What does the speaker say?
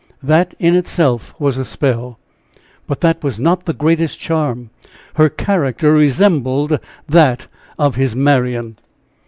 that in itself was a spell, but that was not the greatest charm her character resembled that of his Marian!